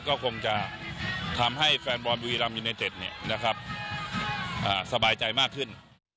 ก็คงจะทำให้แฟนบอลบุรีรัมยูเนเต็ดสบายใจมากขึ้น